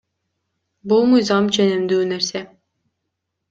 Бул мыйзам ченемдүү нерсе.